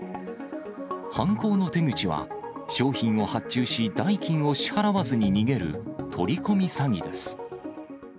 犯行の手口は商品を発注し、代金を支払わずに逃げる、取り込み詐欺です。